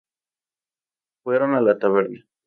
Fueron a la taberna.